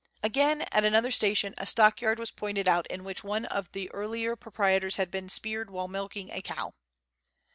Again, at another station, a stockyard was pointed out in which one of the earlier proprietors had been speared while milking a cow.